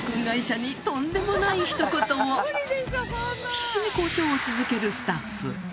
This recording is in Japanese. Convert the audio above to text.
必死に交渉を続けるスタッフ